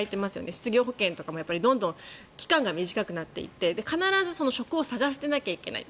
失業保険とかもどんどん期間が短くなっていって必ず職を探さないといけない。